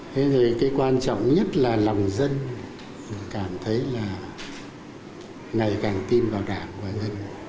thế thì cái quan trọng nhất là lòng dân cảm thấy là ngày càng tin vào đảng và dân